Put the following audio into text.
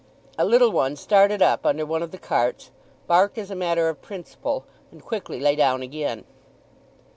A little one started up under one of the carts, barked as a matter of principle, and quickly lay down again.